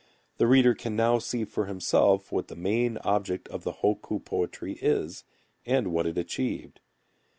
The reader can now see for himself what the main object of the hokku poetry is, and what it achieved.